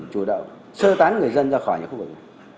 chủ động sơ tán người dân ra khỏi những khu vực